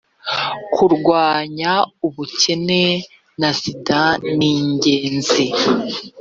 kurwanya ubukene na sida ningenzi.